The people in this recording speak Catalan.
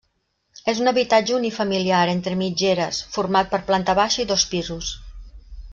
És un habitatge unifamiliar entre mitgeres, format per planta baixa i dos pisos.